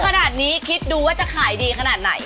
ขนาดนี้คิดดูว่าจะขายดีขนาดไหน